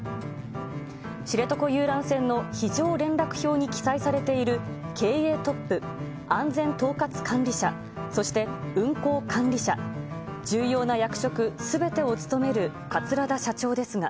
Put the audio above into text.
知床遊覧船の非常連絡表に記載されている経営トップ、安全統括管理者、そして、運航管理者、重要な役職すべてを務める桂田社長ですが。